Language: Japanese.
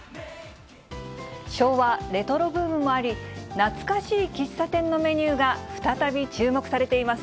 昭和レトロブームもあり、懐かしい喫茶店のメニューが再び注目されています。